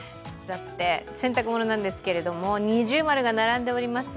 洗濯物なんですけれども、二重丸が並んでいます。